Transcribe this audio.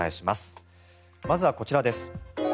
まずはこちらです。